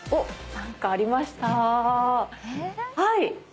何かありました。